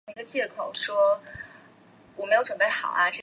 日本关西地区的主要国内线机场。